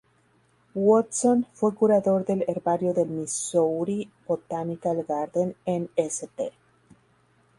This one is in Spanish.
Woodson fue curador del Herbario del Missouri Botanical Garden en St.